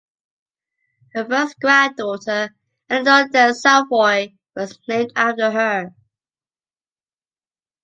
Her first grand-daughter, Éléonore de Savoie, was named after her.